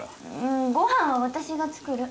んご飯は私が作る。